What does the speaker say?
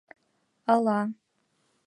Ала...